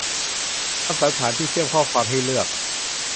คำสันธานที่เชื่อมข้อความให้เลือก